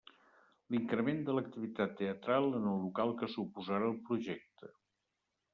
L'increment de l'activitat teatral en el local que suposarà el projecte.